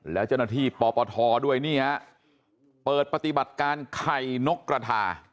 แล้วเจ้าหน้าที่ปปทด้วยนี่ฮะเปิดปฏิบัติการไข่นกกระทา